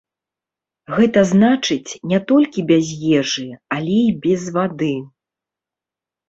Гэта значыць, не толькі без ежы, але і без вады.